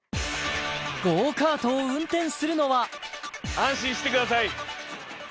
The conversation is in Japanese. ゴーカートを運転するのは安心してください